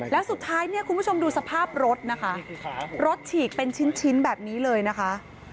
แล้วสุดท้ายเนี่ยคุณผู้ชมดูสภาพรถนะคะรถฉีกเป็นชิ้นแบบนี้เลยนะคะ